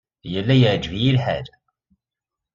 Yella yeɛjeb-iyi lḥal.